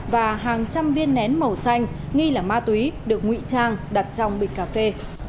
và hàng trăm viên nén màu xanh nghi là ma túy được ngụy trang đặt trong bịch cà phê